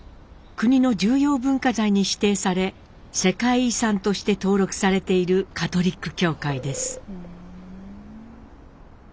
国の重要文化財に指定され世界遺産として登録されているカトリック教会です。